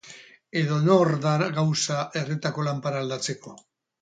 Edonor da gauza erretako lanpara aldatzeko.